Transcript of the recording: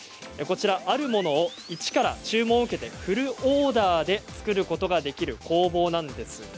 あるものを一から注文を受けてフルオーダーで作ることができる工房です。